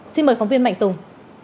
xin mời phóng viên mạnh tùng